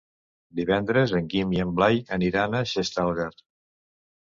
Divendres en Guim i en Blai aniran a Xestalgar.